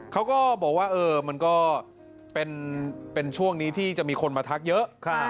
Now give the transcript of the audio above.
เขาก็บอกว่ามันก็เป็นช่วงนี้ที่จะมีคนมาทักเยอะ